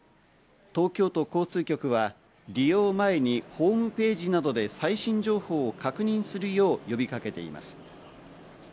東京都交通局は利用前にホームページなどで最新情報を確認するよう呼びかけています。